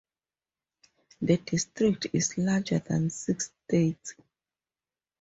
The district is larger than six states.